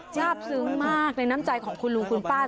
จ้าบซึ้งมากในน้ำใจของคุณลุงคุณป้าซึ้งมาก